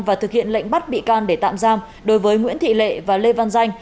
và thực hiện lệnh bắt bị can để tạm giam đối với nguyễn thị lệ và lê văn danh